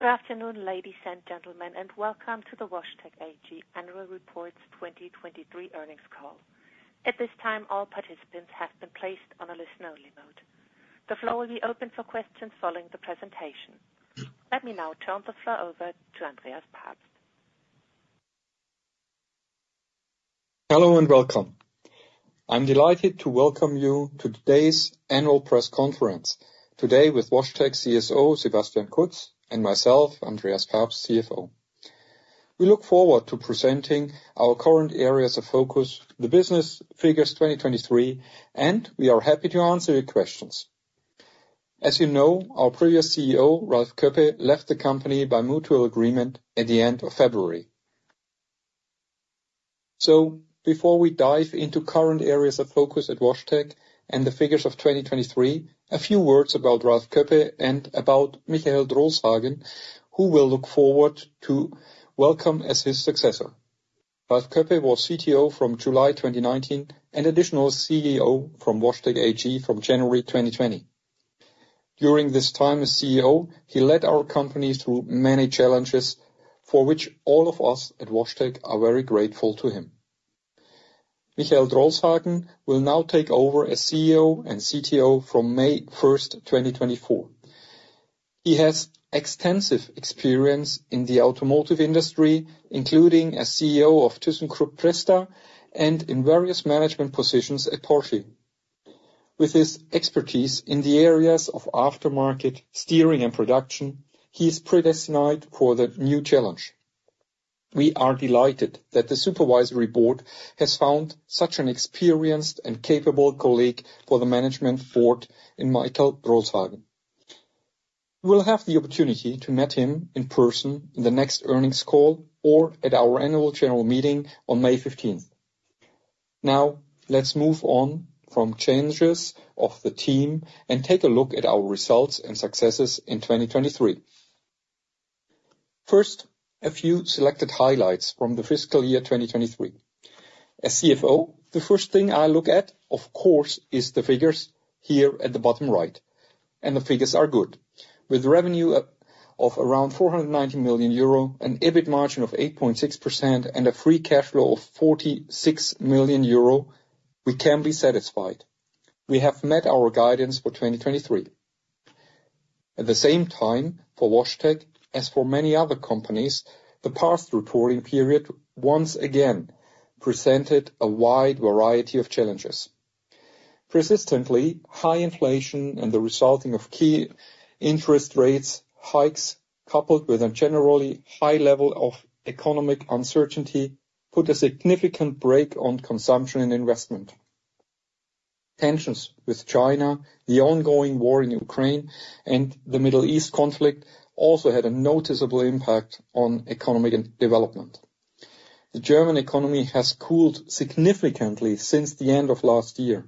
Good afternoon, ladies and gentlemen, and welcome to the WashTec AG Annual Reports 2023 earnings call. At this time, all participants have been placed on a listen-only mode. The floor will be open for questions following the presentation. Let me now turn the floor over to Andreas Pabst. Hello and welcome. I'm delighted to welcome you to today's annual press conference, today with WashTec CSO Sebastian Kutz and myself, Andreas Pabst, CFO. We look forward to presenting our current areas of focus, the business figures 2023, and we are happy to answer your questions. As you know, our previous CEO, Ralf Koeppe, left the company by mutual agreement at the end of February. Before we dive into current areas of focus at WashTec and the figures of 2023, a few words about Ralf Koeppe and about Michael Drolshagen, who we'll look forward to welcome as his successor. Ralf Koeppe was CTO from July 2019 and additional CEO from WashTec AG from January 2020. During this time as CEO, he led our company through many challenges for which all of us at WashTec are very grateful to him. Michael Drolshagen will now take over as CEO and CTO from May 1st, 2024. He has extensive experience in the automotive industry, including as CEO of Thyssenkrupp Presta and in various management positions at Porsche. With his expertise in the areas of aftermarket, steering, and production, he is predestined for the new challenge. We are delighted that the supervisory board has found such an experienced and capable colleague for the management board in Michael Drolshagen. We will have the opportunity to meet him in person in the next earnings call or at our annual general meeting on May 15th. Now, let's move on from changes of the team and take a look at our results and successes in 2023. First, a few selected highlights from the fiscal year 2023. As CFO, the first thing I look at, of course, is the figures here at the bottom right. The figures are good. With revenue of around 490 million euro, an EBIT margin of 8.6%, and a free cash flow of 46 million euro, we can be satisfied. We have met our guidance for 2023. At the same time, for WashTec, as for many other companies, the past reporting period once again presented a wide variety of challenges. Persistently high inflation and the resulting key interest rate hikes, coupled with a generally high level of economic uncertainty, put a significant brake on consumption and investment. Tensions with China, the ongoing war in Ukraine, and the Middle East conflict also had a noticeable impact on economic development. The German economy has cooled significantly since the end of last year.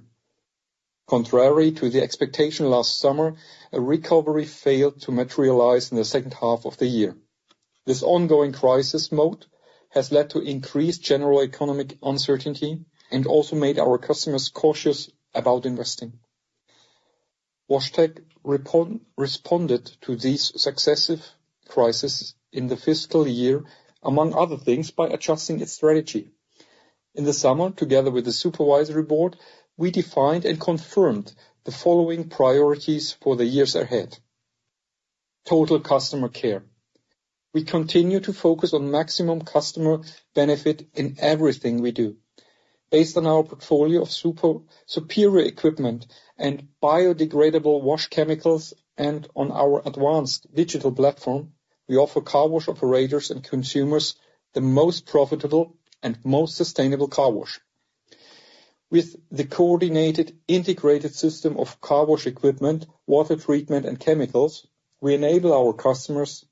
Contrary to the expectation last summer, a recovery failed to materialize in the second half of the year. This ongoing crisis mode has led to increased general economic uncertainty and also made our customers cautious about investing. WashTec responded to these successive crises in the fiscal year, among other things, by adjusting its strategy. In the summer, together with the supervisory board, we defined and confirmed the following priorities for the years ahead: Total Customer Care. We continue to focus on maximum customer benefit in everything we do. Based on our portfolio of superior equipment and biodegradable wash chemicals and on our advanced digital platform, we offer car wash operators and consumers the most profitable and most sustainable car wash. With the coordinated integrated system of car wash equipment, water treatment, and chemicals, we enable our customers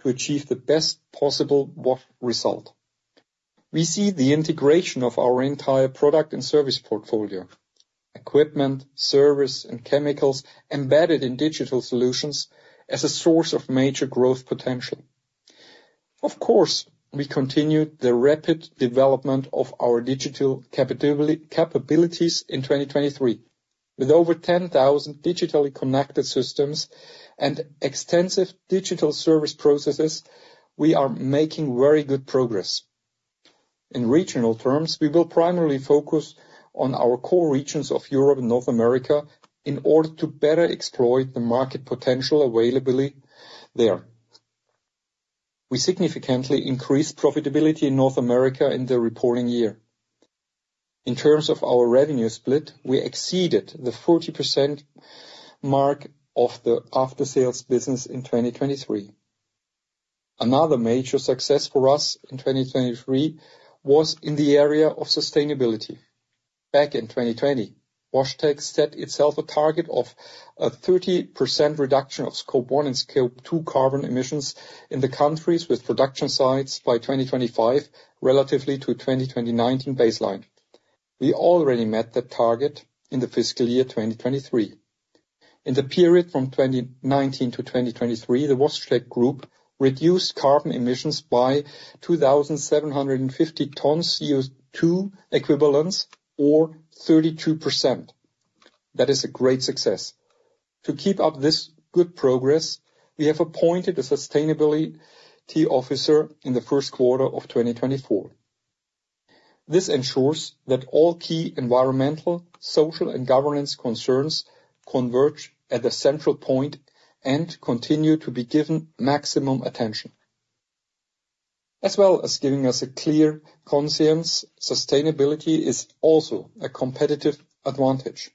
to achieve the best possible wash result. We see the integration of our entire product and service portfolio, equipment, service, and chemicals embedded in digital solutions, as a source of major growth potential. Of course, we continue the rapid development of our digital capabilities in 2023. With over 10,000 digitally connected systems and extensive digital service processes, we are making very good progress. In regional terms, we will primarily focus on our core regions of Europe and North America in order to better exploit the market potential available there. We significantly increased profitability in North America in the reporting year. In terms of our revenue split, we exceeded the 40% mark of the after-sales business in 2023. Another major success for us in 2023 was in the area of sustainability. Back in 2020, WashTec set itself a target of a 30% reduction of Scope 1 and Scope 2 carbon emissions in the countries with production sites by 2025 relative to 2019-2020 baseline. We already met that target in the fiscal year 2023. In the period from 2019-2023, the WashTec group reduced carbon emissions by 2,750 tons CO2 equivalents, or 32%. That is a great success. To keep up this good progress, we have appointed a sustainability officer in the first quarter of 2024. This ensures that all key environmental, social, and governance concerns converge at the central point and continue to be given maximum attention. As well as giving us a clear conscience, sustainability is also a competitive advantage.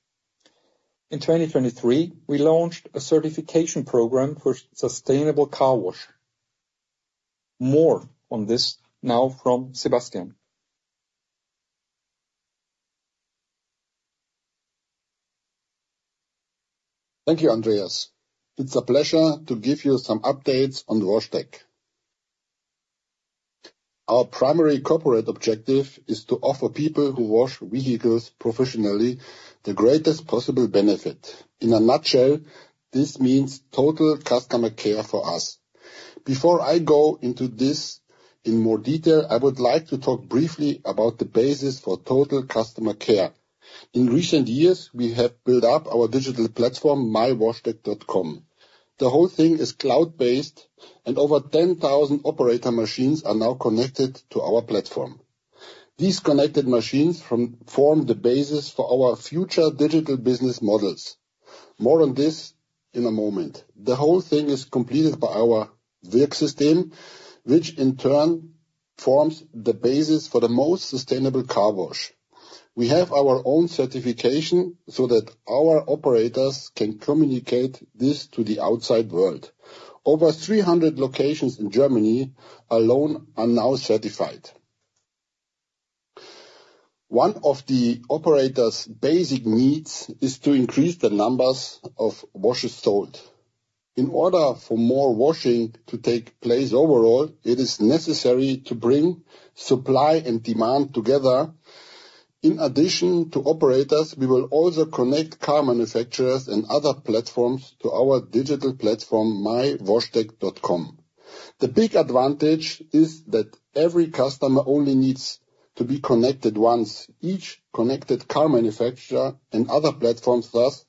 In 2023, we launched a certification program for sustainable car wash. More on this now from Sebastian. Thank you, Andreas. It's a pleasure to give you some updates on WashTec. Our primary corporate objective is to offer people who wash vehicles professionally the greatest possible benefit. In a nutshell, this means total customer care for us. Before I go into this in more detail, I would like to talk briefly about the basis for total customer care. In recent years, we have built up our digital platform, mywashtec.com. The whole thing is cloud-based, and over 10,000 operator machines are now connected to our platform. These connected machines form the basis for our future digital business models. More on this in a moment. The whole thing is completed by our WRG system, which in turn forms the basis for the most sustainable car wash. We have our own certification so that our operators can communicate this to the outside world. Over 300 locations in Germany alone are now certified. One of the operators' basic needs is to increase the numbers of washes sold. In order for more washing to take place overall, it is necessary to bring supply and demand together. In addition to operators, we will also connect car manufacturers and other platforms to our digital platform, mywashtec.com. The big advantage is that every customer only needs to be connected once. Each connected car manufacturer and other platforms thus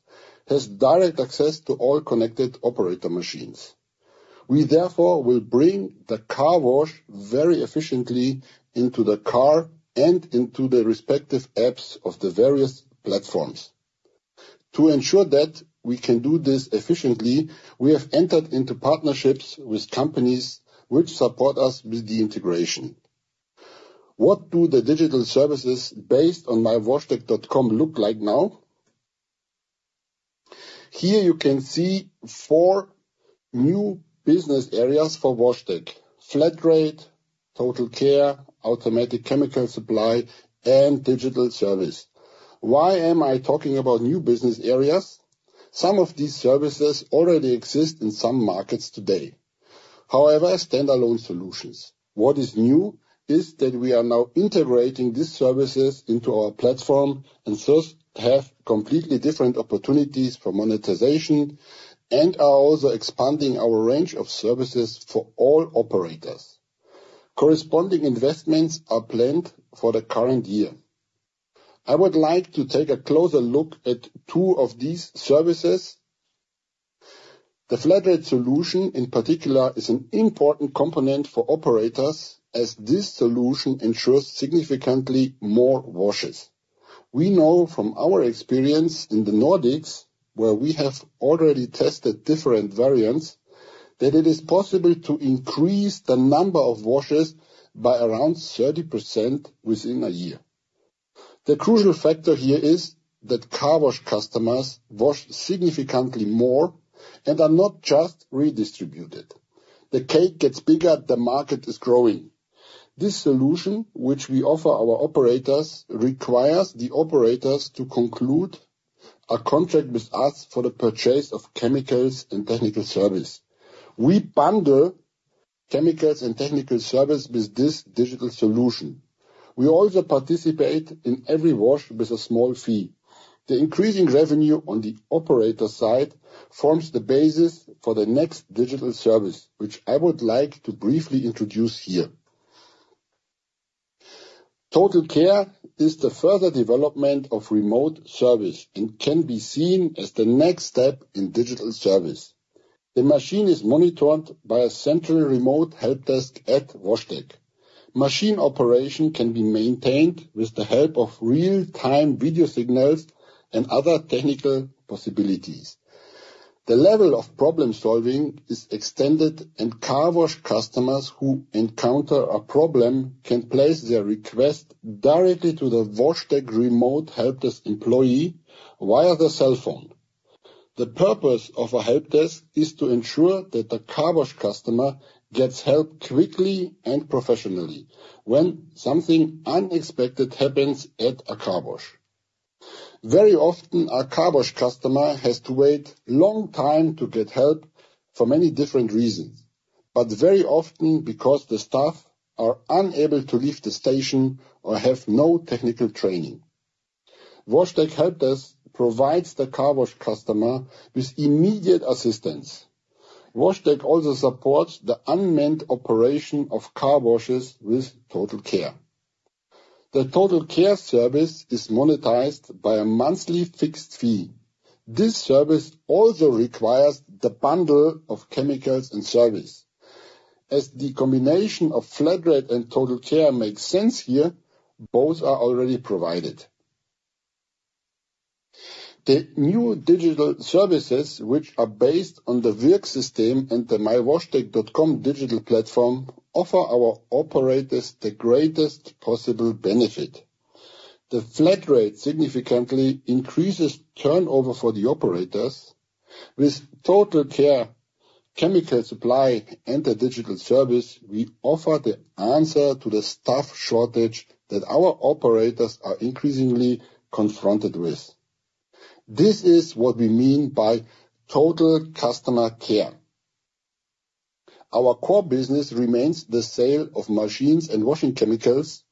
has direct access to all connected operator machines. We therefore will bring the car wash very efficiently into the car and into the respective apps of the various platforms. To ensure that we can do this efficiently, we have entered into partnerships with companies which support us with the integration. What do the digital services based on mywashtec.com look like now? Here you can see four new business areas for WashTec: Flat Rate, Total Care, Automatic Chemical Supply, and digital service. Why am I talking about new business areas? Some of these services already exist in some markets today. However, as standalone solutions, what is new is that we are now integrating these services into our platform and thus have completely different opportunities for monetization and are also expanding our range of services for all operators. Corresponding investments are planned for the current year. I would like to take a closer look at two of these services. The Flat Rate solution, in particular, is an important component for operators as this solution ensures significantly more washes. We know from our experience in the Nordics, where we have already tested different variants, that it is possible to increase the number of washes by around 30% within a year. The crucial factor here is that car wash customers wash significantly more and are not just redistributed. The cake gets bigger. The market is growing. This solution, which we offer our operators, requires the operators to conclude a contract with us for the purchase of chemicals and technical service. We bundle chemicals and technical service with this digital solution. We also participate in every wash with a small fee. The increasing revenue on the operator side forms the basis for the next digital service, which I would like to briefly introduce here. Total Care is the further development of remote service and can be seen as the next step in digital service. The machine is monitored by a central remote helpdesk at WashTec. Machine operation can be maintained with the help of real-time video signals and other technical possibilities. The level of problem-solving is extended, and car wash customers who encounter a problem can place their request directly to the WashTec remote helpdesk employee via their cell phone. The purpose of a helpdesk is to ensure that the car wash customer gets help quickly and professionally when something unexpected happens at a car wash. Very often, a car wash customer has to wait a long time to get help for many different reasons, but very often because the staff are unable to leave the station or have no technical training. WashTec helpdesk provides the car wash customer with immediate assistance. WashTec also supports the unmanned operation of car washes with Total Care. The Total Care service is monetized by a monthly fixed fee. This service also requires the bundle of chemicals and service. As the combination of Flat Rate and Total Care makes sense here, both are already provided. The new digital services, which are based on the WRG system and the mywashtec.com digital platform, offer our operators the greatest possible benefit. The Flat Rate significantly increases turnover for the operators. With Total Care, chemical supply, and the digital service, we offer the answer to the staff shortage that our operators are increasingly confronted with. This is what we mean by Total Customer Care. Our core business remains the sale of machines and washing chemicals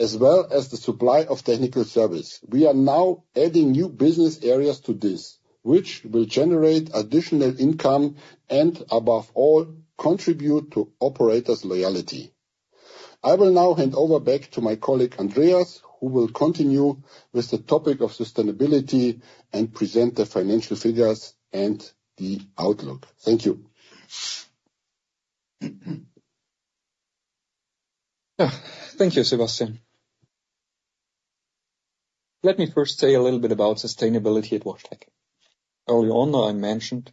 as well as the supply of technical service. We are now adding new business areas to this, which will generate additional income and, above all, contribute to operators' loyalty. I will now hand over back to my colleague Andreas, who will continue with the topic of sustainability and present the financial figures and the outlook. Thank you. Thank you, Sebastian. Let me first say a little bit about sustainability at WashTec. Earlier on, I mentioned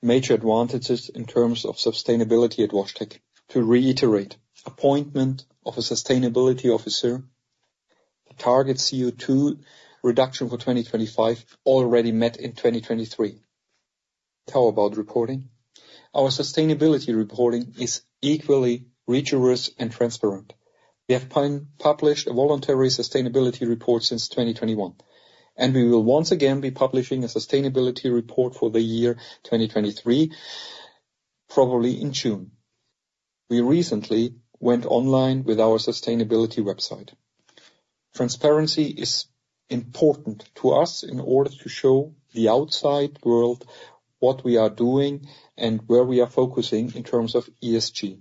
major advantages in terms of sustainability at WashTec. To reiterate, appointment of a sustainability officer, target CO2 reduction for 2025 already met in 2023. How about reporting? Our sustainability reporting is equally rigorous and transparent. We have published a voluntary sustainability report since 2021, and we will once again be publishing a sustainability report for the year 2023, probably in June. We recently went online with our sustainability website. Transparency is important to us in order to show the outside world what we are doing and where we are focusing in terms of ESG.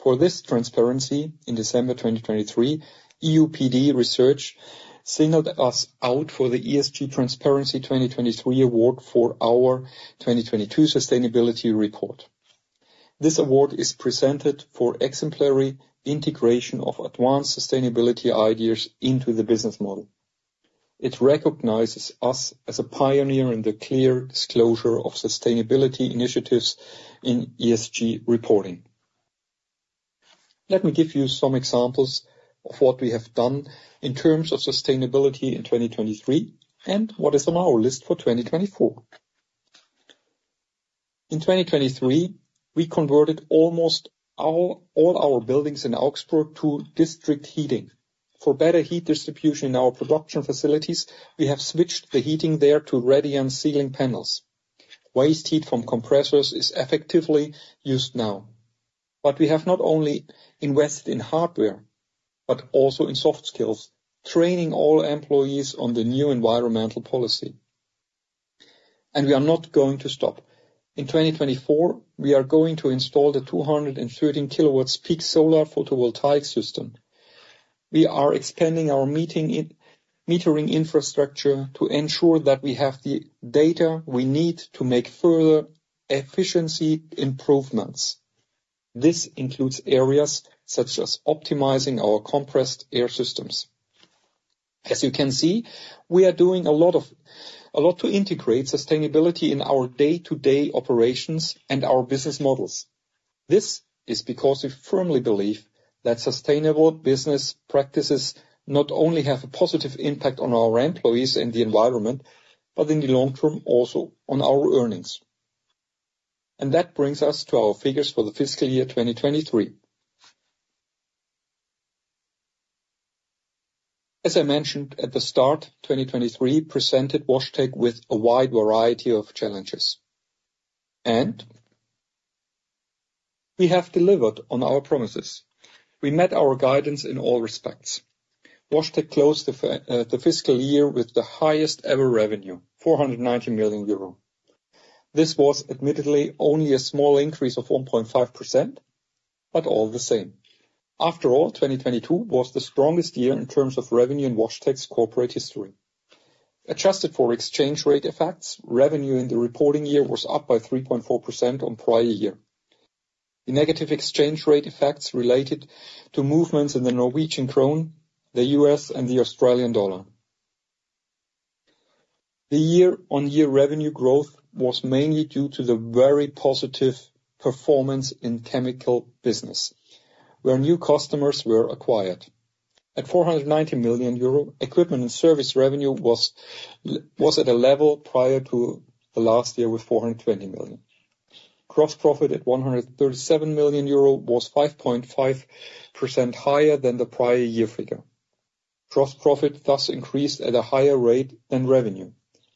For this transparency, in December 2023, EUPD Research singled us out for the ESG Transparency 2023 Award for our 2022 sustainability report. This award is presented for exemplary integration of advanced sustainability ideas into the business model. It recognizes us as a pioneer in the clear disclosure of sustainability initiatives in ESG reporting. Let me give you some examples of what we have done in terms of sustainability in 2023 and what is on our list for 2024. In 2023, we converted almost all our buildings in Augsburg to district heating. For better heat distribution in our production facilities, we have switched the heating there to radiant ceiling panels. Waste heat from compressors is effectively used now. But we have not only invested in hardware but also in soft skills, training all employees on the new environmental policy. And we are not going to stop. In 2024, we are going to install the 213-kilowatt peak solar photovoltaic system. We are expanding our metering infrastructure to ensure that we have the data we need to make further efficiency improvements. This includes areas such as optimizing our compressed air systems. As you can see, we are doing a lot to integrate sustainability in our day-to-day operations and our business models. This is because we firmly believe that sustainable business practices not only have a positive impact on our employees and the environment, but in the long term, also on our earnings. And that brings us to our figures for the fiscal year 2023. As I mentioned at the start, 2023 presented WashTec with a wide variety of challenges. And we have delivered on our promises. We met our guidance in all respects. WashTec closed the fiscal year with the highest ever revenue, 490 million euro. This was admittedly only a small increase of 1.5%, but all the same. After all, 2022 was the strongest year in terms of revenue in WashTec's corporate history. Adjusted for exchange rate effects, revenue in the reporting year was up by 3.4% on prior year. The negative exchange rate effects related to movements in the Norwegian krone, the US dollar, and the Australian dollar. The year-on-year revenue growth was mainly due to the very positive performance in chemical business, where new customers were acquired. At 490 million euro, equipment and service revenue was at a level prior to the last year with 420 million. Gross profit at 137 million euro was 5.5% higher than the prior year figure. Gross profit thus increased at a higher rate than revenue.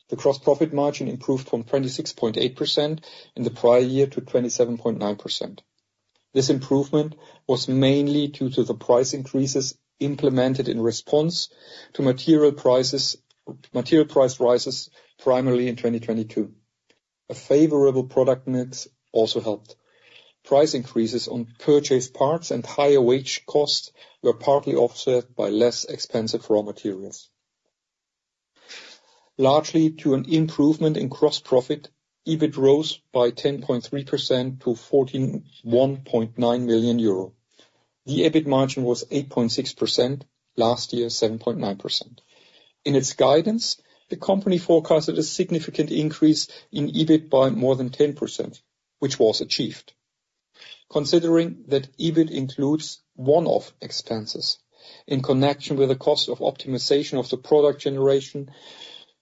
The gross profit margin improved from 26.8% in the prior year to 27.9%. This improvement was mainly due to the price increases implemented in response to material price rises primarily in 2022. A favorable product mix also helped. Price increases on purchased parts and higher wage costs were partly offset by less expensive raw materials. Largely to an improvement in gross profit, EBIT rose by 10.3%-EUR 41.9 million. The EBIT margin was 8.6%, last year 7.9%. In its guidance, the company forecasted a significant increase in EBIT by more than 10%, which was achieved. Considering that EBIT includes one-off expenses in connection with the cost of optimization of the product generation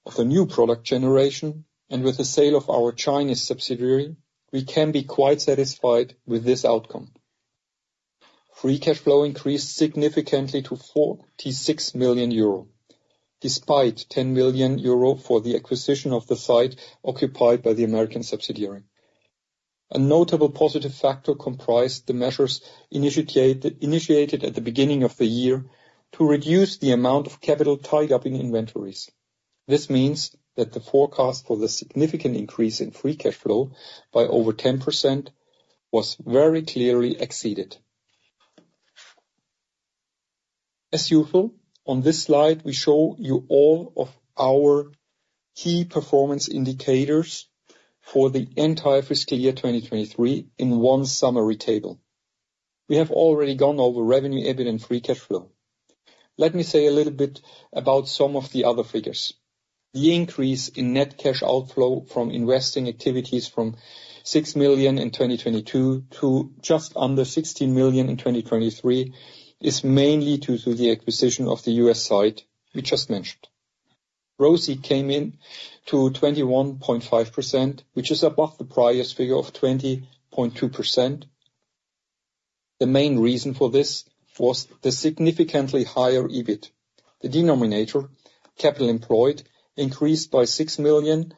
of the new product generation and with the sale of our Chinese subsidiary, we can be quite satisfied with this outcome. Free cash flow increased significantly to 46 million euro, despite 10 million euro for the acquisition of the site occupied by the American subsidiary. A notable positive factor comprised the measures initiated at the beginning of the year to reduce the amount of capital tied up in inventories. This means that the forecast for the significant increase in free cash flow by over 10% was very clearly exceeded. As usual, on this slide, we show you all of our key performance indicators for the entire fiscal year 2023 in one summary table. We have already gone over revenue, EBIT, and free cash flow. Let me say a little bit about some of the other figures. The increase in net cash outflow from investing activities from 6 million in 2022 to just under 16 million in 2023 is mainly due to the acquisition of the US site we just mentioned. ROCE came in to 21.5%, which is above the prior figure of 20.2%. The main reason for this was the significantly higher EBIT. The denominator, capital employed, increased by 6 million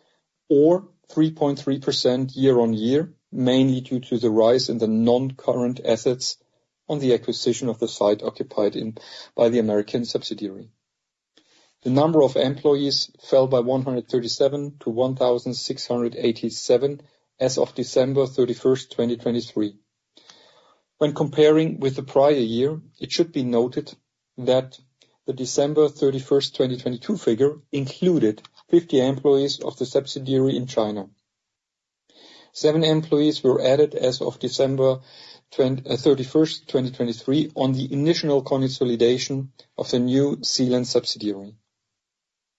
or 3.3% year-on-year, mainly due to the rise in the non-current assets on the acquisition of the site occupied by the American subsidiary. The number of employees fell by 137-1,687 as of December 31st, 2023. When comparing with the prior year, it should be noted that the December 31st, 2022 figure included 50 employees of the subsidiary in China. Seven employees were added as of December 31st, 2023, on the initial consolidation of the New Zealand subsidiary.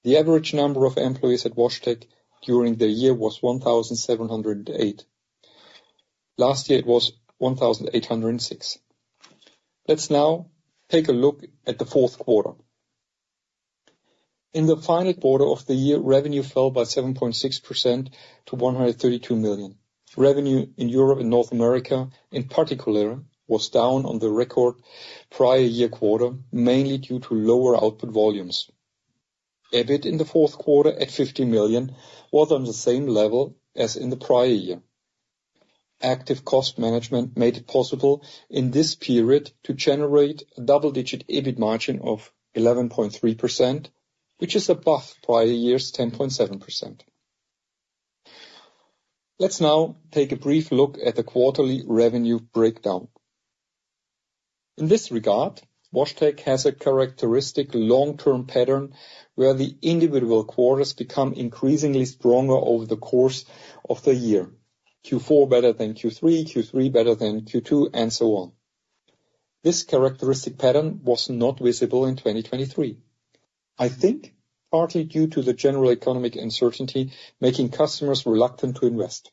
The average number of employees at WashTec during the year was 1,708. Last year, it was 1,806. Let's now take a look at the fourth quarter. In the final quarter of the year, revenue fell by 7.6%-EUR 132 million. Revenue in Europe and North America, in particular, was down on the record prior year quarter, mainly due to lower output volumes. EBIT in the fourth quarter at 50 million was on the same level as in the prior year. Active cost management made it possible in this period to generate a double-digit EBIT margin of 11.3%, which is above prior year's 10.7%. Let's now take a brief look at the quarterly revenue breakdown. In this regard, WashTec has a characteristic long-term pattern where the individual quarters become increasingly stronger over the course of the year, Q4 better than Q3, Q3 better than Q2, and so on. This characteristic pattern was not visible in 2023, I think partly due to the general economic uncertainty making customers reluctant to invest.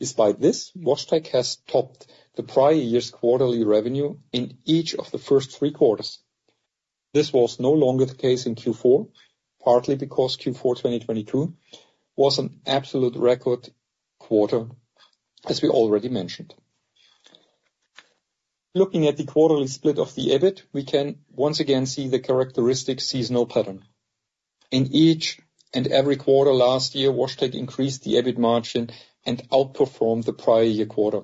Despite this, WashTec has topped the prior year's quarterly revenue in each of the first three quarters. This was no longer the case in Q4, partly because Q4 2022 was an absolute record quarter, as we already mentioned. Looking at the quarterly split of the EBIT, we can once again see the characteristic seasonal pattern. In each and every quarter last year, WashTec increased the EBIT margin and outperformed the prior year quarter.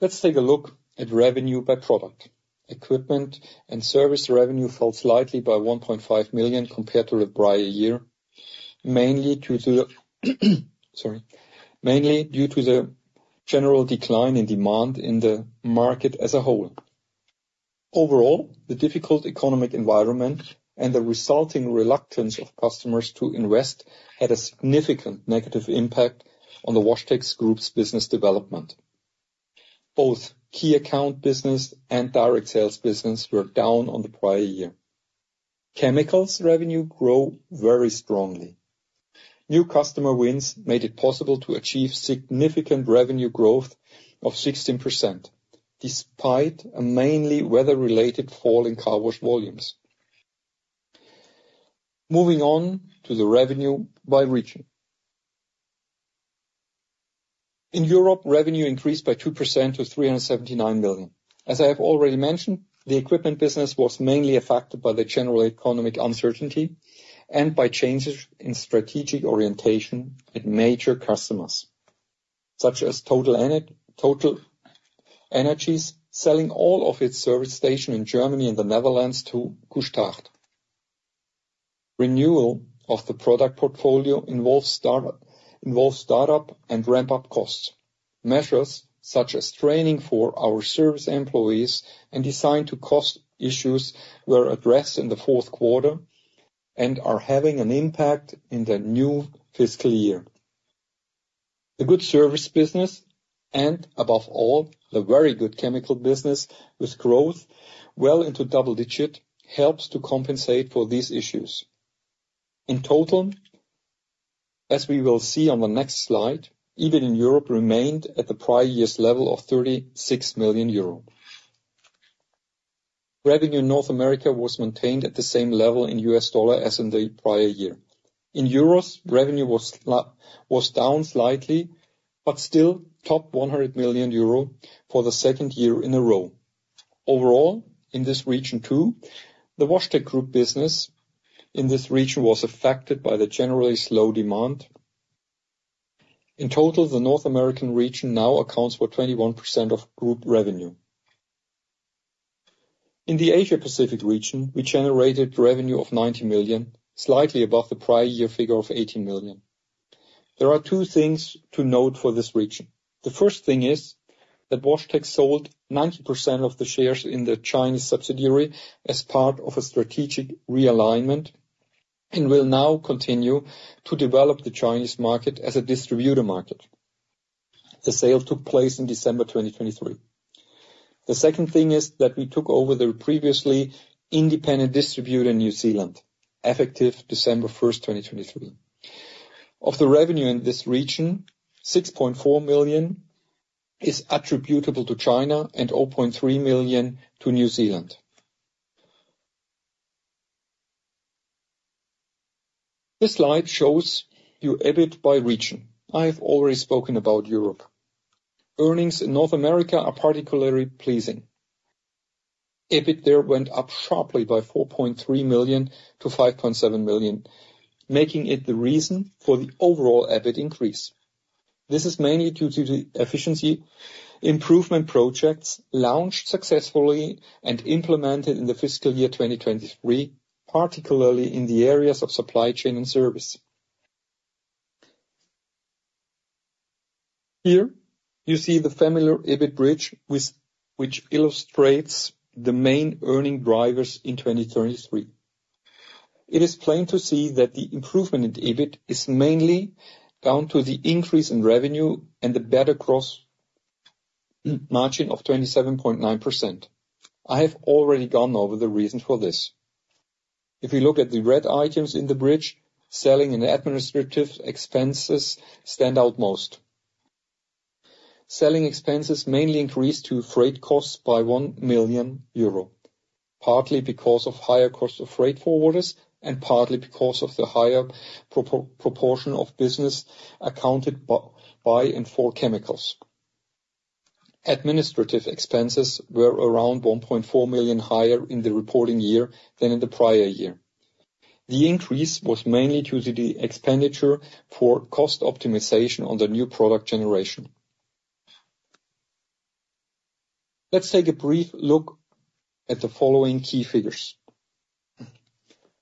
Let's take a look at revenue by product. Equipment and service revenue fell slightly by 1.5 million compared to the prior year, mainly due to the general decline in demand in the market as a whole. Overall, the difficult economic environment and the resulting reluctance of customers to invest had a significant negative impact on the WashTec Group's business development. Both key account business and direct sales business were down on the prior year. Chemicals revenue grew very strongly. New customer wins made it possible to achieve significant revenue growth of 16% despite mainly weather-related fall in car wash volumes. Moving on to the revenue by region. In Europe, revenue increased by 2%-EUR 379 million. As I have already mentioned, the equipment business was mainly affected by the general economic uncertainty and by changes in strategic orientation at major customers such as TotalEnergies, selling all of its service stations in Germany and the Netherlands to Couche-Tard. Renewal of the product portfolio involves startup and ramp-up costs. Measures such as training for our service employees and design to cost issues were addressed in the fourth quarter and are having an impact in the new fiscal year. The good service business and above all, the very good chemical business with growth well into double digit helps to compensate for these issues. In total, as we will see on the next slide, EBIT in Europe remained at the prior year's level of 36 million euro. Revenue in North America was maintained at the same level in U.S. dollar as in the prior year. In euros, revenue was down slightly but still topped 100 million euro for the second year in a row. Overall, in this region too, the WashTec group business in this region was affected by the generally slow demand. In total, the North American region now accounts for 21% of group revenue. In the Asia-Pacific region, we generated revenue of 90 million, slightly above the prior year figure of 18 million. There are two things to note for this region. The first thing is that WashTec sold 90% of the shares in the Chinese subsidiary as part of a strategic realignment and will now continue to develop the Chinese market as a distributor market. The sale took place in December 2023. The second thing is that we took over the previously independent distributor in New Zealand, effective December 1st, 2023. Of the revenue in this region, 6.4 million is attributable to China and 0.3 million to New Zealand. This slide shows you EBIT by region. I have already spoken about Europe. Earnings in North America are particularly pleasing. EBIT there went up sharply by 4.3 million-5.7 million, making it the reason for the overall EBIT increase. This is mainly due to the efficiency improvement projects launched successfully and implemented in the fiscal year 2023, particularly in the areas of supply chain and service. Here, you see the familiar EBIT bridge, which illustrates the main earning drivers in 2023. It is plain to see that the improvement in EBIT is mainly down to the increase in revenue and the better gross margin of 27.9%. I have already gone over the reason for this. If we look at the red items in the bridge, selling and administrative expenses stand out most. Selling expenses mainly increased to freight costs by 1 million euro, partly because of higher cost of freight forwarders and partly because of the higher proportion of business accounted by and for chemicals. Administrative expenses were around 1.4 million higher in the reporting year than in the prior year. The increase was mainly due to the expenditure for cost optimization on the new product generation. Let's take a brief look at the following key figures.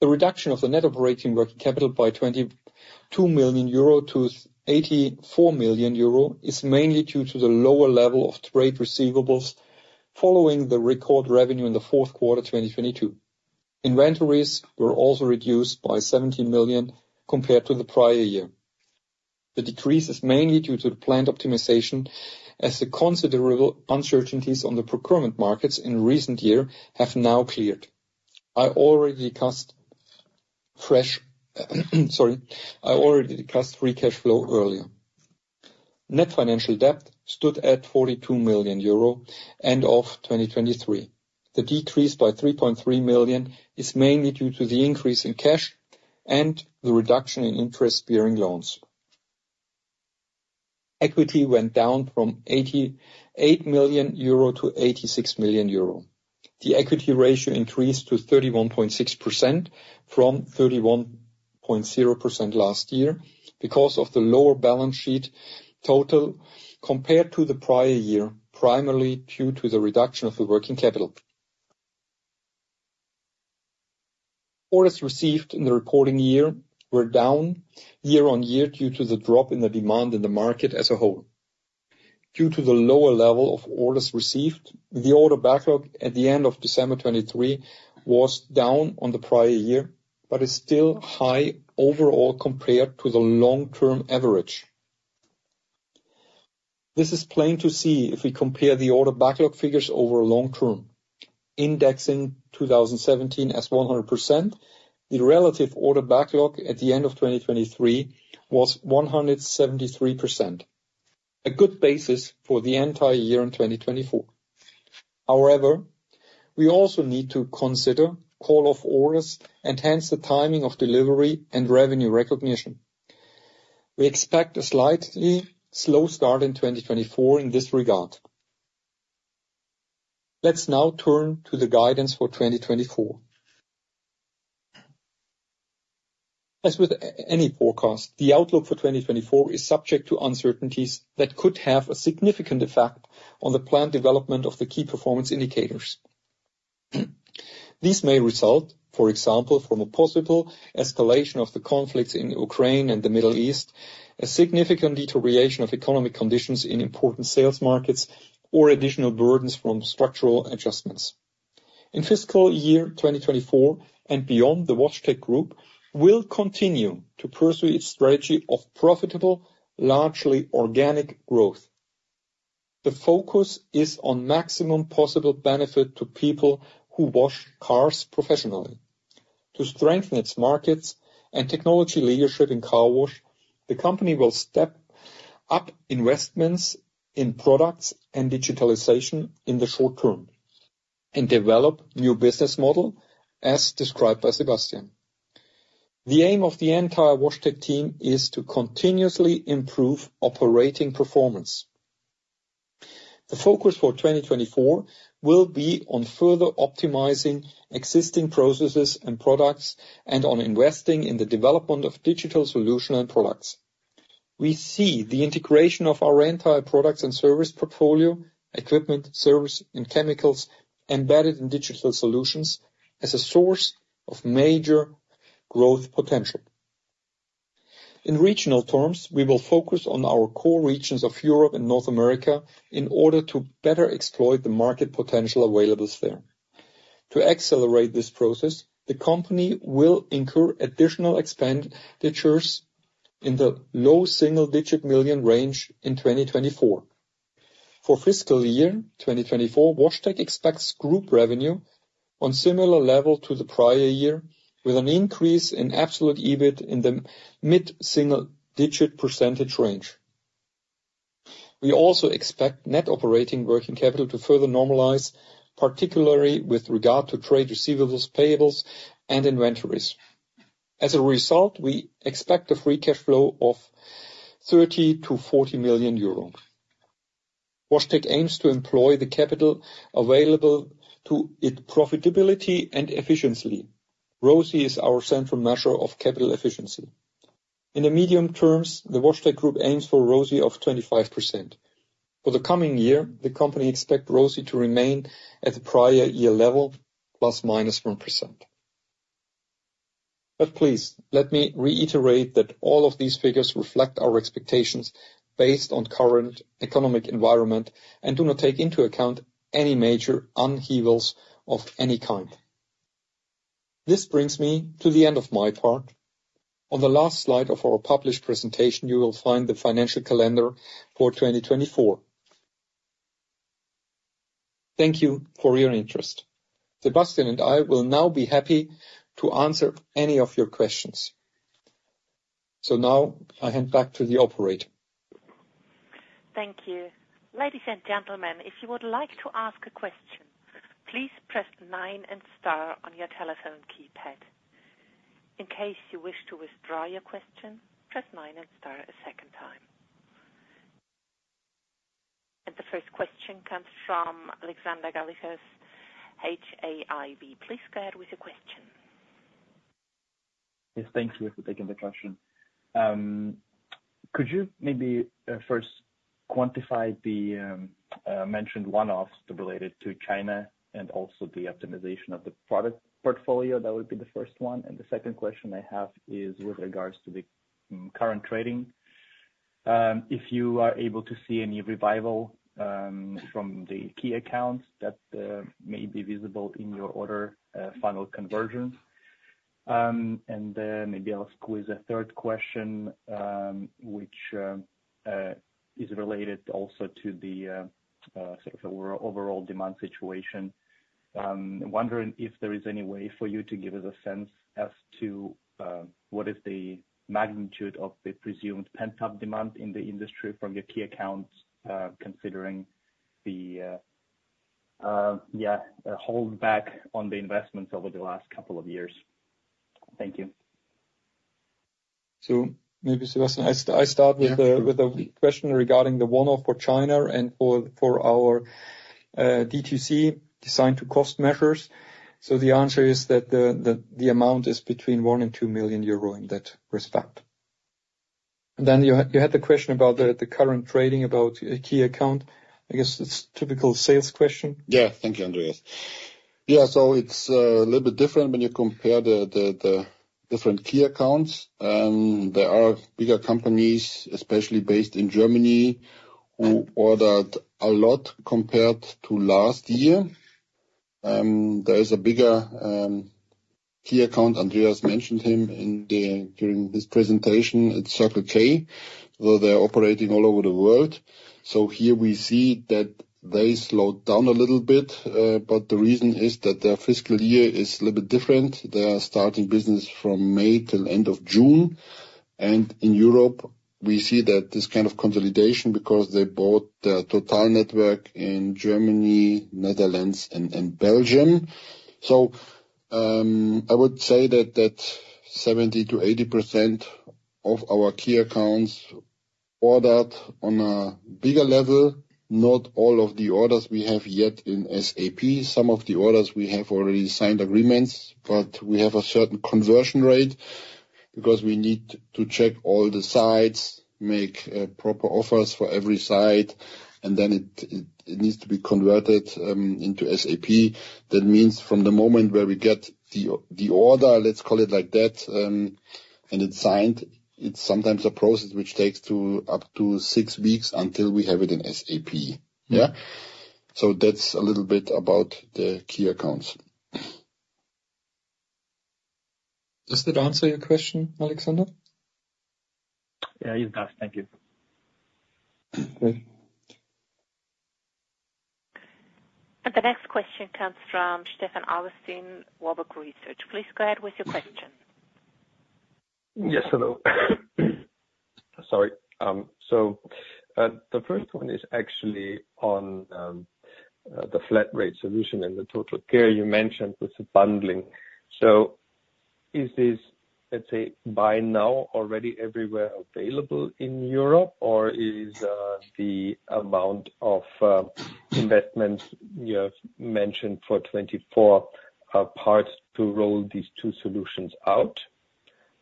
The reduction of the Net Operating Working Capital by 22 million-84 million euro is mainly due to the lower level of trade receivables following the record revenue in the fourth quarter 2022. Inventories were also reduced by 17 million compared to the prior year. The decrease is mainly due to the planned optimization as the considerable uncertainties on the procurement markets in recent years have now cleared. I already discussed Free Cash Flow earlier. Net financial debt stood at 42 million euro end of 2023. The decrease by 3.3 million is mainly due to the increase in cash and the reduction in interest-bearing loans. Equity went down from 88 million-86 million euro. The equity ratio increased to 31.6% from 31.0% last year because of the lower balance sheet total compared to the prior year, primarily due to the reduction of the working capital. Orders received in the reporting year were down year-on-year due to the drop in the demand in the market as a whole. Due to the lower level of orders received, the order backlog at the end of December 2023 was down on the prior year but is still high overall compared to the long-term average. This is plain to see if we compare the order backlog figures over a long-term. Indexing 2017 as 100%, the relative order backlog at the end of 2023 was 173%, a good basis for the entire year in 2024. However, we also need to consider call-off orders and hence the timing of delivery and revenue recognition. We expect a slightly slow start in 2024 in this regard. Let's now turn to the guidance for 2024. As with any forecast, the outlook for 2024 is subject to uncertainties that could have a significant effect on the planned development of the key performance indicators. These may result, for example, from a possible escalation of the conflicts in Ukraine and the Middle East, a significant deterioration of economic conditions in important sales markets, or additional burdens from structural adjustments. In fiscal year 2024 and beyond, the WashTec Group will continue to pursue its strategy of profitable, largely organic growth. The focus is on maximum possible benefit to people who wash cars professionally. To strengthen its markets and technology leadership in car wash, the company will step up investments in products and digitalization in the short term and develop new business model as described by Sebastian. The aim of the entire WashTec team is to continuously improve operating performance. The focus for 2024 will be on further optimizing existing processes and products and on investing in the development of digital solution and products. We see the integration of our entire products and service portfolio, equipment, service, and chemicals embedded in digital solutions as a source of major growth potential. In regional terms, we will focus on our core regions of Europe and North America in order to better exploit the market potential available there. To accelerate this process, the company will incur additional expenditures in the EUR low single-digit million range in 2024. For fiscal year 2024, WashTec expects group revenue on similar level to the prior year with an increase in absolute EBIT in the mid-single-digit % range. We also expect net operating working capital to further normalize, particularly with regard to trade receivables, payables, and inventories. As a result, we expect a free cash flow of 30 million-40 million euro. WashTec aims to employ the capital available to it profitability and efficiency. ROCE is our central measure of capital efficiency. In the medium term, the WashTec Group aims for ROCE of 25%. For the coming year, the company expects ROCE to remain at the prior year level ±1%. But please, let me reiterate that all of these figures reflect our expectations based on current economic environment and do not take into account any major upheavals of any kind. This brings me to the end of my part. On the last slide of our published presentation, you will find the financial calendar for 2024. Thank you for your interest. Sebastian and I will now be happy to answer any of your questions. Now I hand back to the operator. Thank you. Ladies and gentlemen, if you would like to ask a question, please press nineand star on your telephone keypad. In case you wish to withdraw your question, press nine and star a second time. And the first question comes from Alexander Galitsa, Hauck&Aufhäuser Investment Banking. Please go ahead with your question. Yes. Thank you for taking the question. Could you maybe first quantify the mentioned one-offs related to China and also the optimization of the product portfolio? That would be the first one. And the second question I have is with regards to the current trading. If you are able to see any revival from the key accounts that may be visible in your order funnel conversions. And then maybe I'll squeeze a third question, which is related also to the sort of overall demand situation. Wondering if there is any way for you to give us a sense as to what is the magnitude of the presumed pent-up demand in the industry from your key accounts considering the, yeah, holdback on the investments over the last couple of years. Thank you. So maybe, Sebastian, I start with a question regarding the one-off for China and for our DTC designed to cost measures. The answer is that the amount is between 1 million and 2 million euro in that respect. Then you had the question about the current trading about a key account. I guess it's a typical sales question. Yeah. Thank you, Andreas. Yeah. So it's a little bit different when you compare the different key accounts. There are bigger companies, especially based in Germany, who ordered a lot compared to last year. There is a bigger key account, Andreas mentioned him during his presentation, it's Circle K, although they're operating all over the world. So here we see that they slowed down a little bit. But the reason is that their fiscal year is a little bit different. They are starting business from May till end of June. And in Europe, we see this kind of consolidation because they bought their total network in Germany, Netherlands, and Belgium. So I would say that 70%-80% of our key accounts ordered on a bigger level, not all of the orders we have yet in SAP. Some of the orders, we have already signed agreements, but we have a certain conversion rate because we need to check all the sites, make proper offers for every site, and then it needs to be converted into SAP. That means from the moment where we get the order, let's call it like that, and it's signed, it's sometimes a process which takes up to six weeks until we have it in SAP. Yeah? So that's a little bit about the key accounts. Does that answer your question, Alexander? Yeah. It does. Thank you. The next question comes from Stefan Augustin, Warburg Research. Please go ahead with your question. Yes. Hello. Sorry. So the first one is actually on the Flat Rate solution and the Total Care you mentioned with the bundling. So is this, let's say, by now already everywhere available in Europe, or is the amount of investments you have mentioned for 2024 part to roll these two solutions out?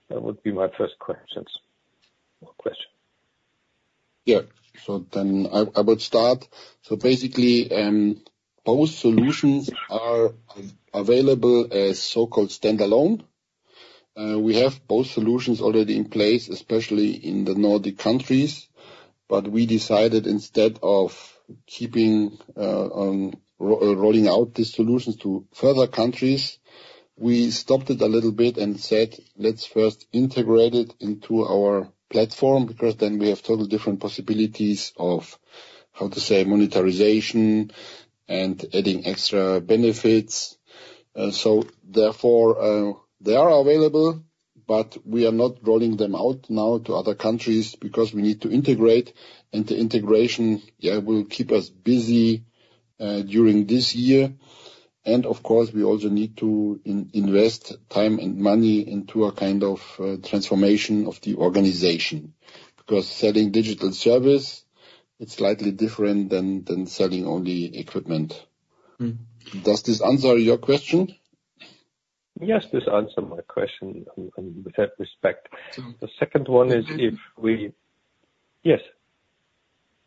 That would be my first questions. Yeah. So then I would start. So basically, both solutions are available as so-called standalone. We have both solutions already in place, especially in the Nordic countries. But we decided instead of rolling out these solutions to further countries, we stopped it a little bit and said, "Let's first integrate it into our platform because then we have total different possibilities of, how to say, monetization and adding extra benefits." So therefore, they are available, but we are not rolling them out now to other countries because we need to integrate, and the integration, yeah, will keep us busy during this year. And of course, we also need to invest time and money into a kind of transformation of the organization because selling digital service, it's slightly different than selling only equipment. Does this answer your question? Yes. This answers my question with that respect. The second one is if we yes.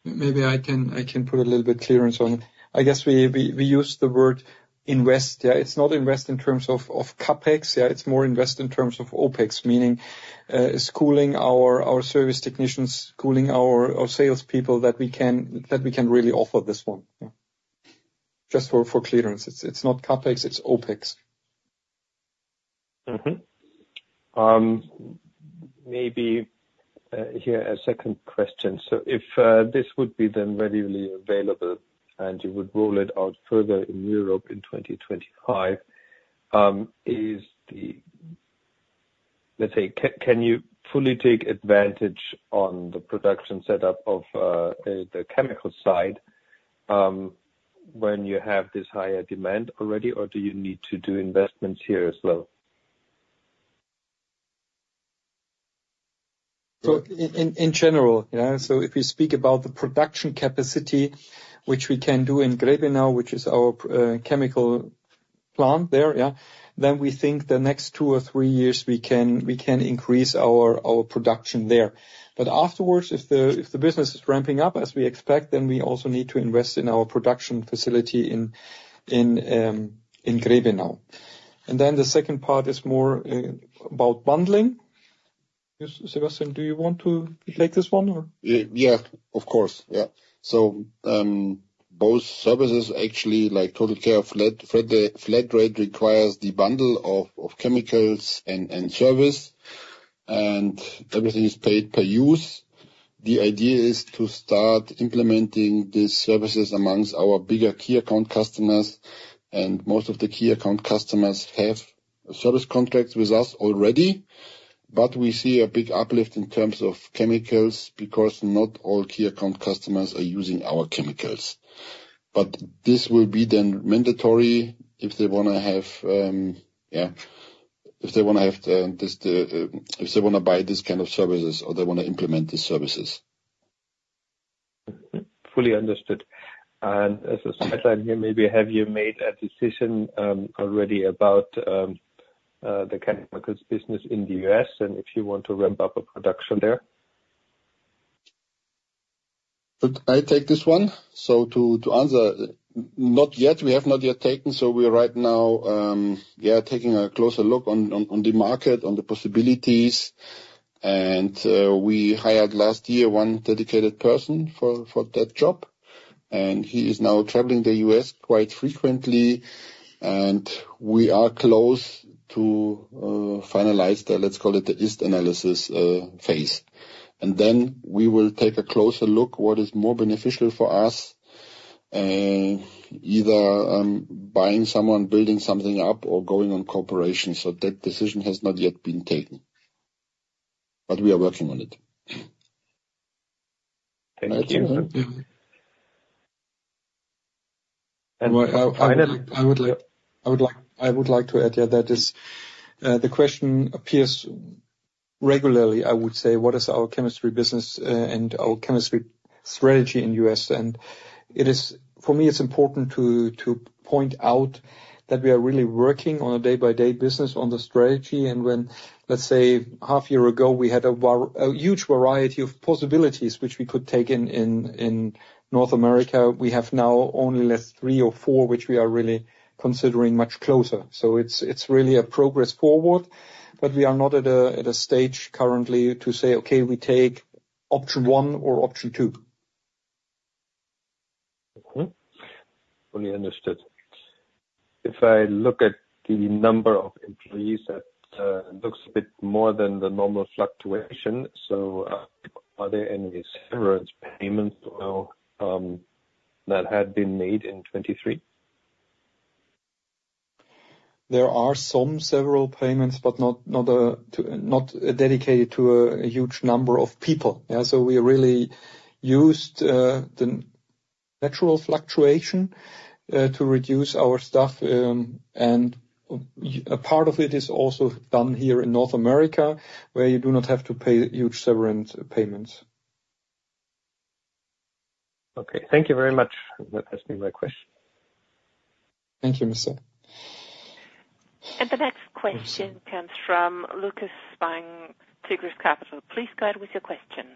Maybe I can put a little bit clarity on it. I guess we used the word invest. Yeah. It's not invest in terms of CapEx. Yeah. It's more invest in terms of OpEx, meaning schooling our service technicians, schooling our salespeople that we can really offer this one. Yeah. Just for clarity. It's not CapEx. It's OpEx. Maybe here a second question. If this would be then readily available and you would roll it out further in Europe in 2025, let's say, can you fully take advantage on the production setup of the chemical side when you have this higher demand already, or do you need to do investments here as well? So in general, yeah, so if we speak about the production capacity, which we can do in Grebenau, which is our chemical plant there, yeah, then we think the next two or three years, we can increase our production there. But afterwards, if the business is ramping up as we expect, then we also need to invest in our production facility in Grebenau. And then the second part is more about bundling. Sebastian, do you want to take this one, or? Yeah. Of course. Yeah. So both services, actually, Total Care Flat Rate requires the bundle of chemicals and service, and everything is paid per use. The idea is to start implementing these services among our bigger key account customers. Most of the key account customers have service contracts with us already. But we see a big uplift in terms of chemicals because not all key account customers are using our chemicals. But this will be then mandatory if they want to buy these kind of services or they want to implement these services. Fully understood. As a sideline here, maybe have you made a decision already about the chemicals business in the U.S. and if you want to ramp up a production there? I take this one. So to answer, not yet. We have not yet taken. So we are right now, yeah, taking a closer look on the market, on the possibilities. And we hired last year one dedicated person for that job. And he is now traveling the U.S. quite frequently. And we are close to finalize the, let's call it, the feasibility analysis phase. And then we will take a closer look what is more beneficial for us, either buying someone, building something up, or going on cooperation. So that decision has not yet been taken. But we are working on it. Thank you. I would like to add, yeah, that the question appears regularly, I would say, "What is our chemistry business and our chemistry strategy in the U.S.?" For me, it's important to point out that we are really working on a day-by-day business on the strategy. When, let's say, half a year ago, we had a huge variety of possibilities which we could take in North America, we have now only left three or four, which we are really considering much closer. It's really a progress forward. But we are not at a stage currently to say, "Okay, we take option one or option two. Fully understood. If I look at the number of employees, it looks a bit more than the normal fluctuation. So are there any severance payments that had been made in 2023? There are some several payments, but not dedicated to a huge number of people. Yeah. So we really used the natural fluctuation to reduce our staff. A part of it is also done here in North America where you do not have to pay huge severance payments. Okay. Thank you very much. That has been my question. Thank you, Mr. The next question comes from Lukas Spang, Tigris Capital. Please go ahead with your question.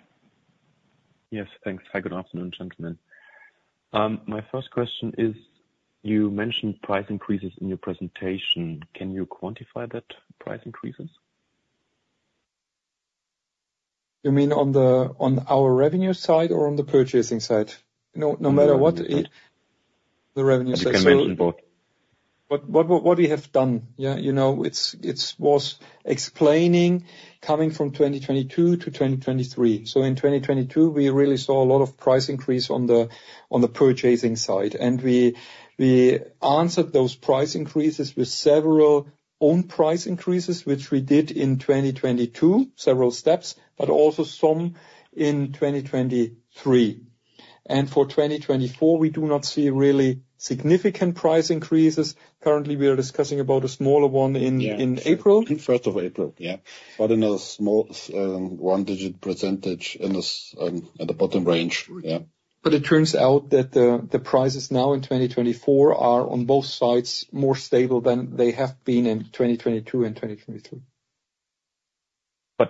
Yes. Thanks. Hi, good afternoon, gentlemen. My first question is, you mentioned price increases in your presentation. Can you quantify that price increases? You mean on our revenue side or on the purchasing side? No matter what, the revenue side. You can mention both. What we have done, yeah, it was explaining coming from 2022-2023. So in 2022, we really saw a lot of price increase on the purchasing side. We answered those price increases with several own price increases, which we did in 2022, several steps, but also some in 2023. For 2024, we do not see really significant price increases. Currently, we are discussing about a smaller one in April. In first of April. Yeah. But another small one-digit % in the bottom range. Yeah. It turns out that the prices now in 2024 are on both sides more stable than they have been in 2022 and 2023.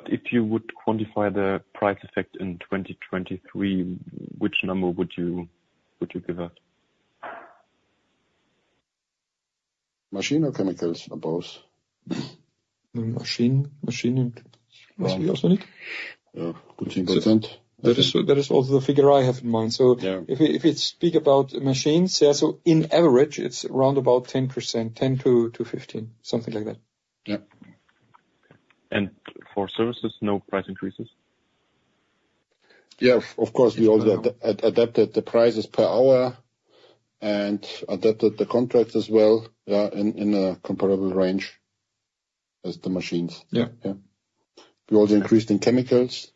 If you would quantify the price effect in 2023, which number would you give out? Machine or chemicals? Both. Machine? Machine must be also needed? Yeah. 15%. That is also the figure I have in mind. So if we speak about machines, yeah, so in average, it's around about 10%, 10%-15%, something like that. Yeah. For services, no price increases? Yeah. Of course, we also adapted the prices per hour and adapted the contracts as well, yeah, in a comparable range as the machines. Yeah. We also increased in chemicals.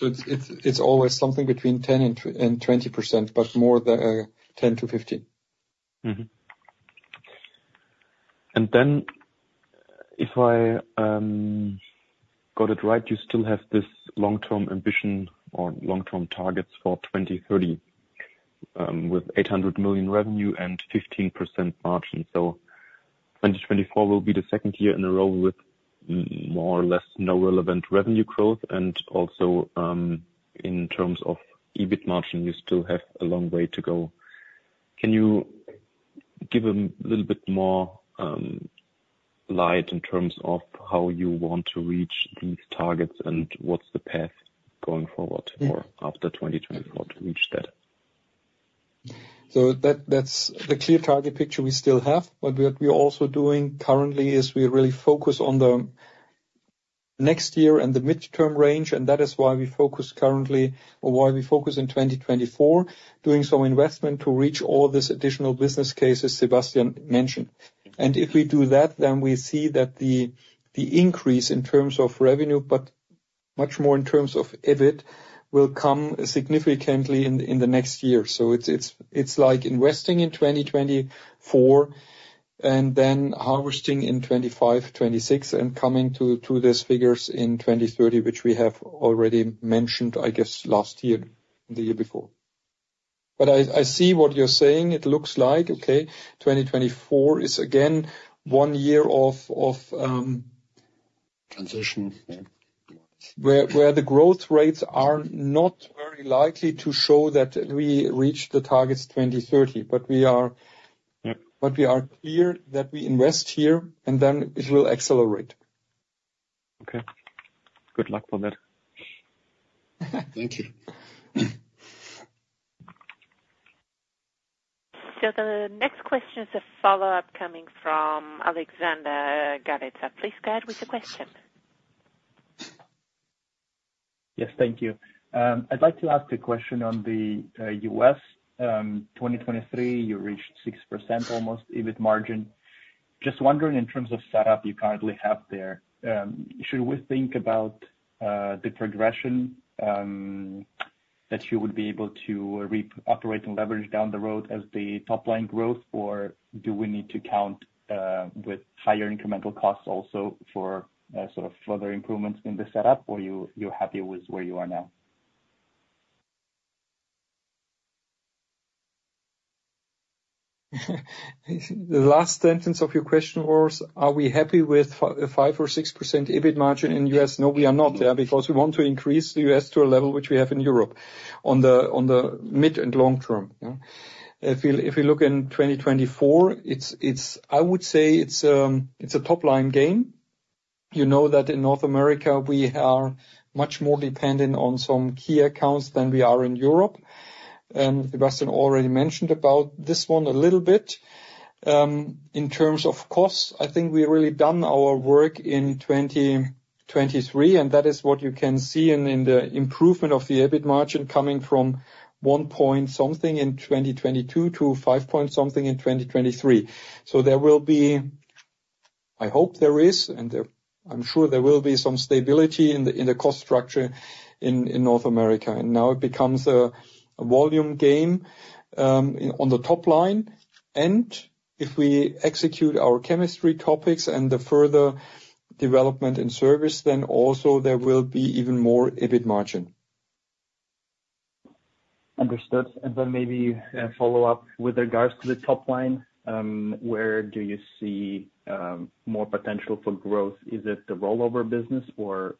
It's always something between 10% and 20%, but more 10%-15%. Then if I got it right, you still have this long-term ambition or long-term targets for 2030 with 800 million revenue and 15% margin. 2024 will be the second year in a row with more or less no relevant revenue growth. Also in terms of EBIT margin, you still have a long way to go. Can you give a little bit more light in terms of how you want to reach these targets and what's the path going forward or after 2024 to reach that? So the clear target picture we still have. What we are also doing currently is we really focus on the next year and the midterm range. And that is why we focus currently or why we focus in 2024, doing some investment to reach all these additional business cases Sebastian mentioned. And if we do that, then we see that the increase in terms of revenue, but much more in terms of EBIT, will come significantly in the next year. So it's like investing in 2024 and then harvesting in 2025, 2026, and coming to these figures in 2030, which we have already mentioned, I guess, last year, the year before. But I see what you're saying. It looks like, okay, 2024 is again one year of. Transition. Yeah. Where the growth rates are not very likely to show that we reached the targets 2030, but we are clear that we invest here, and then it will accelerate. Okay. Good luck for that. Thank you. The next question is a follow-up coming from Alexander Zaretzke. Please go ahead with your question. Yes. Thank you. I'd like to ask a question on the U.S. 2023, you reached 6% almost EBIT margin. Just wondering, in terms of setup you currently have there, should we think about the progression that you would be able to operate and leverage down the road as the top-line growth, or do we need to count with higher incremental costs also for sort of further improvements in the setup, or you're happy with where you are now? The last sentence of your question was, "Are we happy with a 5% or 6% EBIT margin in the US?" No, we are not, yeah, because we want to increase the US to a level which we have in Europe on the mid and long term. Yeah. If we look in 2024, I would say it's a top-line gain. You know that in North America, we are much more dependent on some key accounts than we are in Europe. And Sebastian already mentioned about this one a little bit. In terms of costs, I think we've really done our work in 2023, and that is what you can see in the improvement of the EBIT margin coming from one point something in 2022 to five point something in 2023. There will be I hope there is, and I'm sure there will be some stability in the cost structure in North America. Now it becomes a volume game on the top line. If we execute our chemistry topics and the further development in service, then also there will be even more EBIT margin. Understood. And then maybe follow up with regards to the top line, where do you see more potential for growth? Is it the rollover business or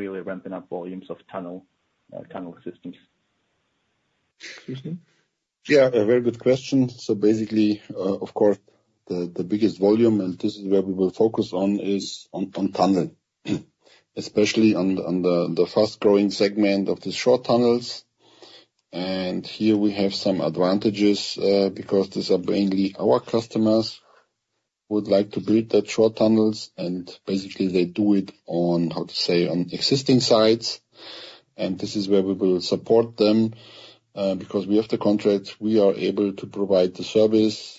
really ramping up volumes of tunnel systems? Yeah. A very good question. So basically, of course, the biggest volume, and this is where we will focus on, is on tunnel, especially on the fast-growing segment of the short tunnels. Here we have some advantages because these are mainly our customers who would like to build that short tunnels. Basically, they do it on, how to say, on existing sites. This is where we will support them because we have the contracts. We are able to provide the service.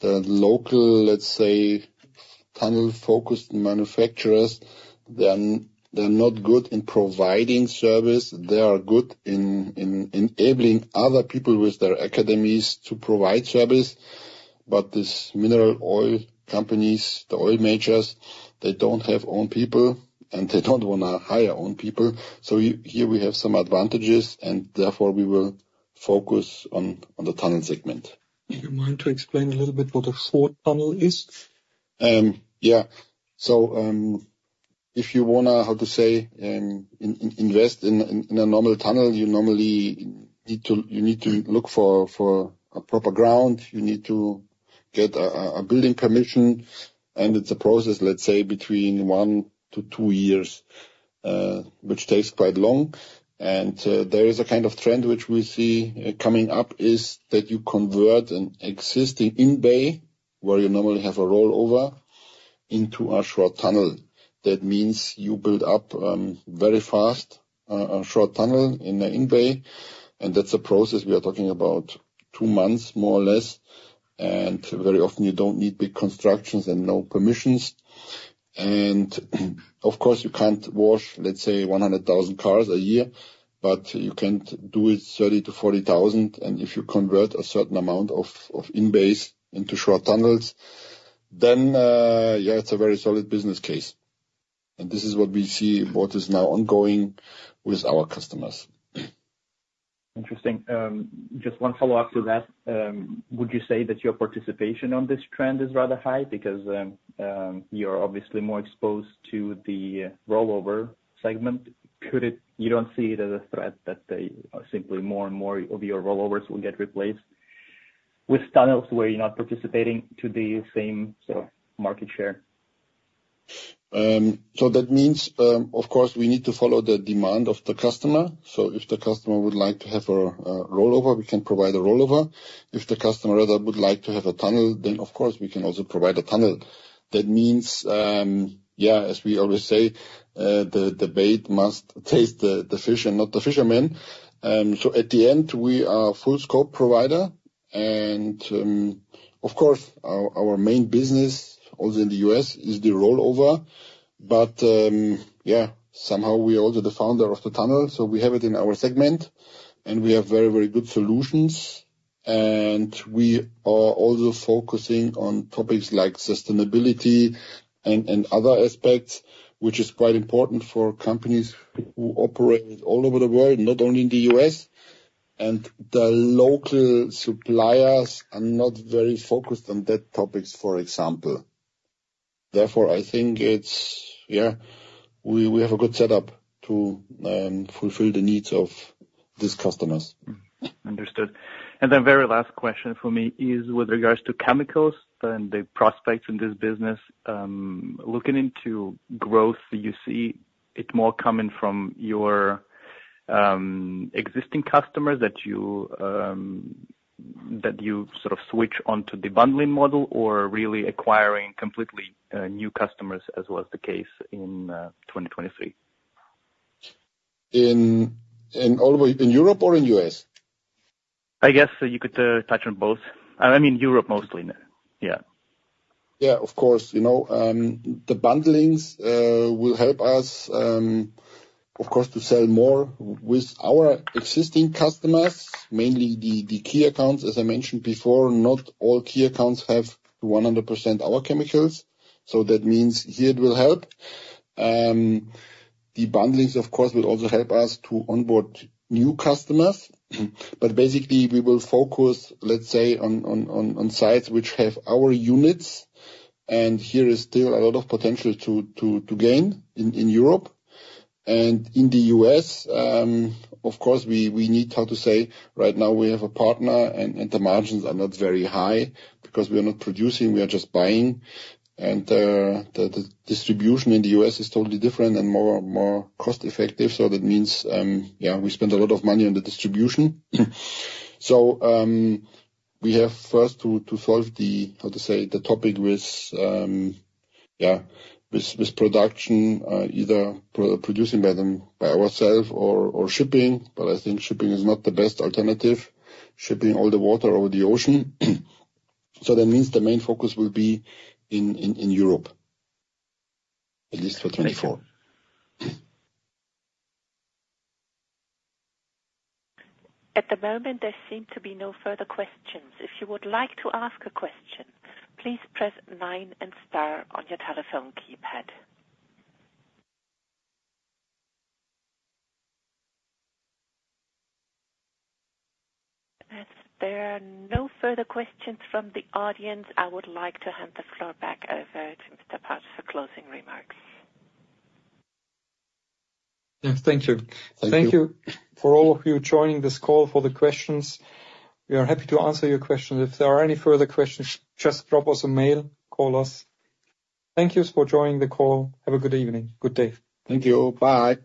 The local, let's say, tunnel-focused manufacturers, they're not good in providing service. They are good in enabling other people with their academies to provide service. But these mineral oil companies, the oil majors, they don't have own people, and they don't want to hire own people. So here we have some advantages, and therefore, we will focus on the tunnel segment. Do you mind to explain a little bit what a short tunnel is? Yeah. So if you want to, how to say, invest in a normal tunnel, you normally need to look for a proper ground. You need to get a building permission. And it's a process, let's say, between 1-2 years, which takes quite long. And there is a kind of trend which we see coming up is that you convert an existing in-bay where you normally have a rollover into a short tunnel. That means you build up very fast a short tunnel in an in-bay. And that's a process we are talking about two months, more or less. And very often, you don't need big constructions and no permissions. And of course, you can't wash, let's say, 100,000 cars a year, but you can do it 30,000-40,000. If you convert a certain amount of in-bays into short tunnels, then yeah, it's a very solid business case. This is what we see, what is now ongoing with our customers. Interesting. Just one follow-up to that. Would you say that your participation on this trend is rather high because you're obviously more exposed to the rollover segment? You don't see it as a threat that simply more and more of your rollovers will get replaced with tunnels where you're not participating to the same sort of market share? So that means, of course, we need to follow the demand of the customer. So if the customer would like to have a rollover, we can provide a rollover. If the customer rather would like to have a tunnel, then of course, we can also provide a tunnel. That means, yeah, as we always say, the bait must taste the fish and not the fishermen. So at the end, we are a full-scope provider. And of course, our main business also in the U.S. is the rollover. But yeah, somehow, we are also the founder of the tunnel. So we have it in our segment, and we have very, very good solutions. And we are also focusing on topics like sustainability and other aspects, which is quite important for companies who operate all over the world, not only in the U.S. The local suppliers are not very focused on those topics, for example. Therefore, I think it's yeah, we have a good setup to fulfill the needs of these customers. Understood. And then very last question for me is with regards to chemicals and the prospects in this business, looking into growth, do you see it more coming from your existing customers that you sort of switch onto the bundling model or really acquiring completely new customers as was the case in 2023? In Europe or in U.S.? I guess you could touch on both. I mean, Europe mostly. Yeah. Yeah. Of course. The bundlings will help us, of course, to sell more with our existing customers, mainly the key accounts. As I mentioned before, not all key accounts have 100% our chemicals. So that means here it will help. The bundlings, of course, will also help us to onboard new customers. But basically, we will focus, let's say, on sites which have our units. Here is still a lot of potential to gain in Europe. In the US, of course, we need, how to say, right now, we have a partner, and the margins are not very high because we are not producing. We are just buying. The distribution in the US is totally different and more cost-effective. So that means, yeah, we spend a lot of money on the distribution. So we have first to solve the, how to say, the topic with, yeah, with production, either producing by ourselves or shipping. But I think shipping is not the best alternative, shipping all the water over the ocean. So that means the main focus will be in Europe, at least for 2024. At the moment, there seem to be no further questions. If you would like to ask a question, please press 9 and star on your telephone keypad. As there are no further questions from the audience, I would like to hand the floor back over to Mr. Pabst for closing remarks. Yeah. Thank you. Thank you for all of you joining this call for the questions. We are happy to answer your questions. If there are any further questions, just drop us a mail, call us. Thank you for joining the call. Have a good evening. Good day. Thank you. Bye.